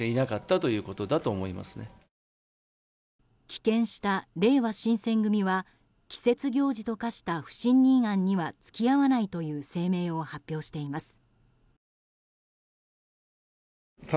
棄権した、れいわ新選組は季節行事と化した不信任案には付き合わないという声明を発表しています。